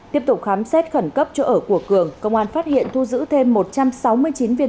tiếp tục khám xét khẩn cấp chỗ ở của cường công an phát hiện thu giữ thêm một trăm sáu mươi chín viên thuốc khẩn cấp